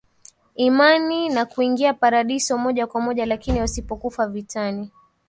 imani na kuingia Paradiso moja kwa moja Lakini wasipokufa vitani